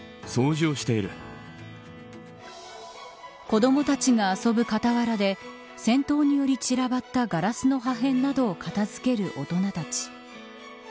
子どもたちが遊ぶかたわらで戦闘により散らばったガラスの破片などを片付ける大人たち。